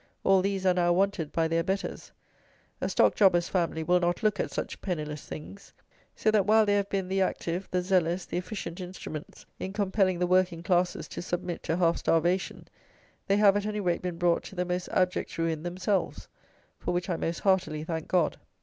All these are now wanted by "their betters." A stock jobber's family will not look at such penniless things. So that while they have been the active, the zealous, the efficient instruments, in compelling the working classes to submit to half starvation, they have at any rate been brought to the most abject ruin themselves; for which I most heartily thank God.